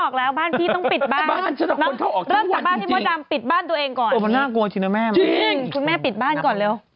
คุณแม่ปิดบ้านก่อนเร็ว